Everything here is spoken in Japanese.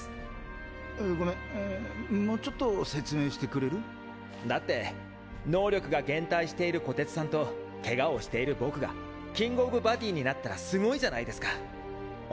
ごめんぁーもうちょっと説明してくれる？だって能力が減退している虎徹さんとケガをしている僕がキング・オブ・バディになったらすごいじゃないですか！